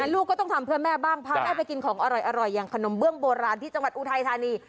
ลูกก็ต้องทำเพื่อแม่บ้างพาแม่ไปกินของอร่อยอย่างขนมเบื้องโบราณที่จังหวัดอุทัยธานี